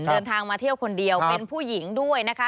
เดินทางมาเที่ยวคนเดียวเป็นผู้หญิงด้วยนะคะ